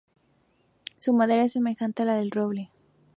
Su madera es semejante a la del roble.